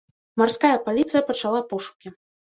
Марская паліцыя пачала пошукі.